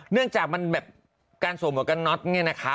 เนื่องจากมันแบบการสวมหวกกันน็อตเนี่ยนะคะ